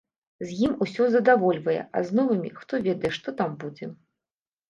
З ім усё задавольвае, а з новымі, хто ведае, што там будзе.